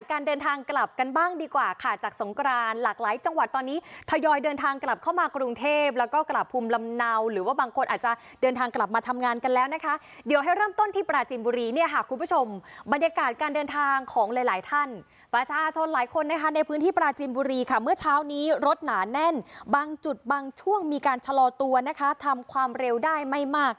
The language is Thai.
การเดินทางกลับกันบ้างดีกว่าค่ะจากสงกรานหลากหลายจังหวัดตอนนี้ทยอยเดินทางกลับเข้ามากรุงเทพแล้วก็กลับภูมิลำเนาหรือว่าบางคนอาจจะเดินทางกลับมาทำงานกันแล้วนะคะเดี๋ยวให้เริ่มต้นที่ปราจินบุรีเนี่ยค่ะคุณผู้ชมบรรยากาศการเดินทางของหลายหลายท่านประชาชนหลายคนนะคะในพื้นที่ปราจินบุรีค่